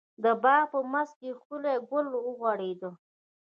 د باغ په منځ کې ښکلی ګل غوړيدلی ده.